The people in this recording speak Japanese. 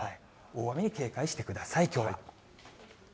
大雨に警戒してください、きょうは。